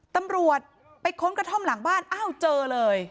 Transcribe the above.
ตำรวจไปค้นกระท่อมหลังบ้านอ้าวเจอเลย